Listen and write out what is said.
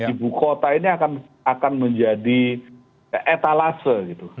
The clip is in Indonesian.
ibu kota ini akan menjadi etalase gitu